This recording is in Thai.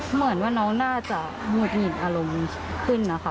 เหมือนว่าน้องน่าจะหงุดหงิดอารมณ์ขึ้นนะคะ